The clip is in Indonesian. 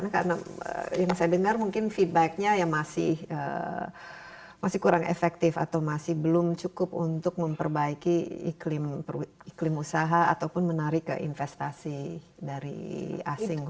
karena yang saya dengar mungkin feedbacknya masih kurang efektif atau masih belum cukup untuk memperbaiki iklim usaha ataupun menarik ke investasi dari asing